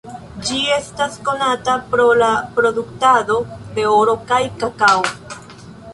Ĝi estas konata pro la produktado de oro kaj kakao.